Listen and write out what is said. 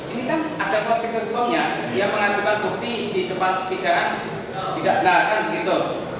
ini kan ada konsep kegugungnya dia mengajukan bukti di depan persidangan tidak benar kan begitu